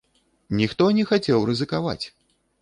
Ніхто не хацеў рызыкаваць!